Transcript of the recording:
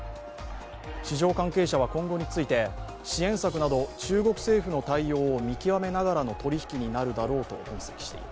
市場関係者は今後について、支援策など中国政府の対応を見極めながらの取引になるだろうと分析していま